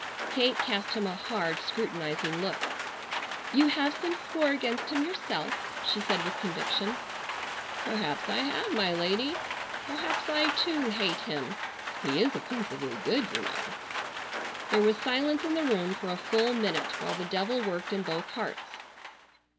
Kate cast him a hard, scrutinizing look. "You have some score against him yourself," she said with conviction. "Perhaps I have, my lady. Perhaps I too hate him. He is offensively good, you know." There was silence in the room for a full minute while the devil worked in both hearts.